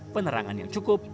penerangan yang cukup